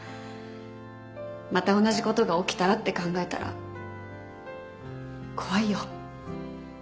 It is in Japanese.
また同じことが起きたらって考えたら怖いよ。